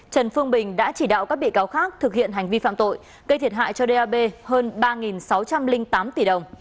trần phương bình đã chỉ đạo các bị cáo khác thực hiện hành vi phạm tội gây thiệt hại cho dap hơn ba sáu trăm linh tám tỷ đồng